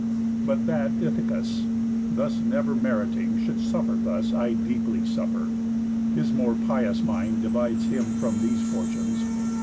But, that Ithacus, Thus never meriting, should suffer thus, I deeply suffer. His more pious mind Divides him from these fortunes.